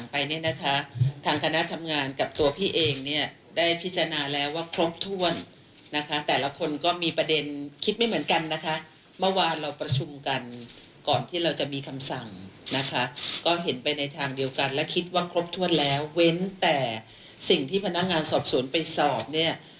พนักงานสอบสวนไปสอบเนี่ย